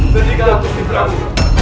sandika kusti prabu